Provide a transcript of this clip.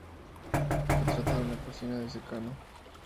Se trata de una cocina de secano.